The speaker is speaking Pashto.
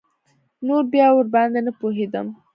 نور بيا ورباندې نه پوهېدم.